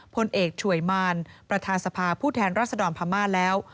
พลเอกช่วยมารประธานสภาผู้แทนรัศดรพม่าแล้ว